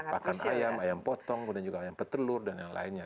perusi pakan ayam ayam potong ayam petelur dan lainnya